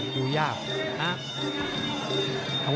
คูยาก